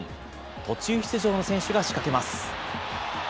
途中出場の選手が仕掛けます。